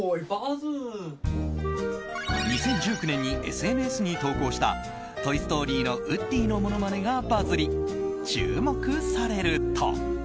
２０１９年にＳＮＳに投稿した「トイ・ストーリー」のウッディのものまねがバズり注目されると。